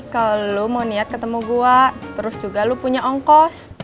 kalau lo mau niat ketemu gue terus juga lu punya ongkos